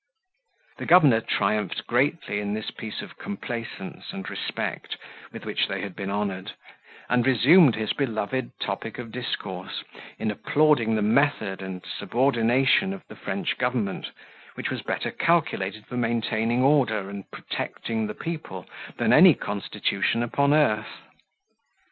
The governor triumphed greatly in this piece of complaisance and respect with which they had been honoured, and resumed his beloved topic of discourse, in applauding the method and subordination of the French government, which was better calculated for maintaining order and protecting the people, than any constitution upon earth.